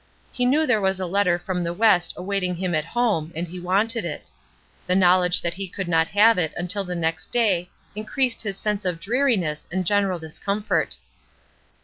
He knew there was a letter from the West awaiting him at home and he wanted it. The knowledge that he could not have it until the next day increased his sense of dreariness and general discomfort.